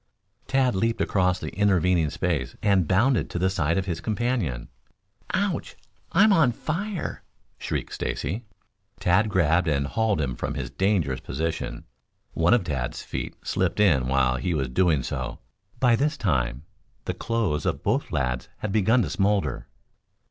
Tad leaped across the intervening space and bounded to the side of his companion. "Ouch! I'm on fire!" shrieked Stacy. Tad grabbed and hauled him from his dangerous position. One of Tad's feet slipped in while he was doing so. By this time the clothes of both lads had begun to smoulder.